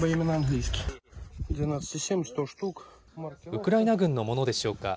ウクライナ軍のものでしょうか。